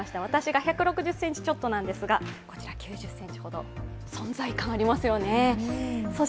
私が１６０ｃｍちょっとなんですが、こちらは９０ｃｍほど、存在感がありますよね。